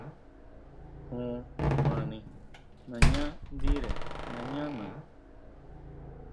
Jun mani nañá ndire nañá na.